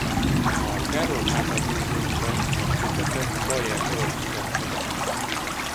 A Terror Háza Múzeumban a kötetet Bayer Zsolt mutatta be.